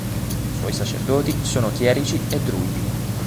I suoi sacerdoti sono chierici e druidi.